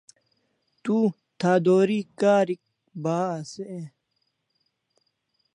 Tu tatori karik bahas e?